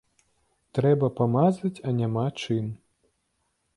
Трэба памазаць, а няма чым.